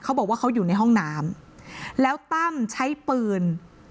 เขาบอกว่าเขาอยู่ในห้องน้ำแล้วตั้มใช้ปืน